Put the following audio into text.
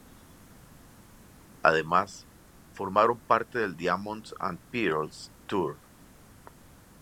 Además, formaron parte del Diamonds and Pearls Tour.